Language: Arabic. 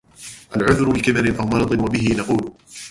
الْعُذْرِ لِكِبَرٍ أَوْ مَرَضٍ وَبِهِ نَقُولُ